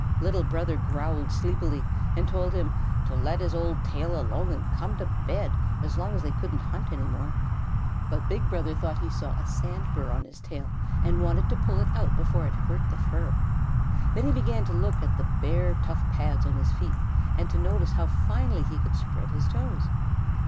Little Brother growled sleepily and told him to "let his old tail alone and come to bed, as long as they couldn't hunt any more." But Big Brother thought he saw a sand burr on his tail, and wanted to pull it out before it hurt the fur. Then he began to look at the bare, tough pads on his feet, and to notice how finely he could spread his toes.